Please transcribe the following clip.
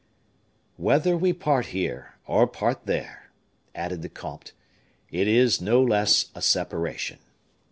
"Whether we part here or part there," added the comte, "it is no less a separation."